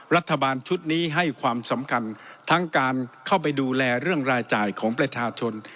รัฐบาลชุดนี้ให้ความสำคัญทั้งการเข้าไปดูแลเรื่องรายจ่ายของประชาชน